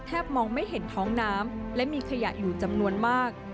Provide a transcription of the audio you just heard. มองไม่เห็นท้องน้ำและมีขยะอยู่จำนวนมาก